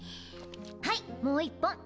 はいもう１本！